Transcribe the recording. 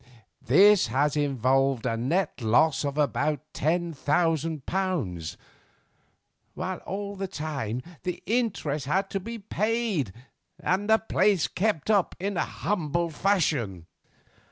This has involved a net loss of about ten thousand pounds, while all the time the interest had to be paid and the place kept up in a humble fashion."